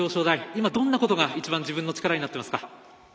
今、どんなことが一番自分の力になっていますか？